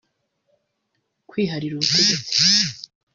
Kwiharira ubutegetsi